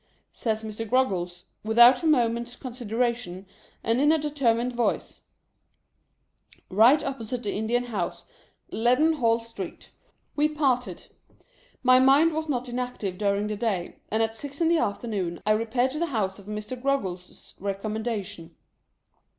Says Mr. Groggles, without a moment's consideration, and in a determined voice, "Eight opposite the India House, Leadenhall Street." lilVELT TURTLE. 349 We parted. My mind was not inactive during the day, and at six in the afternoon I repaired to the house of Mr. Groggles' recommendation.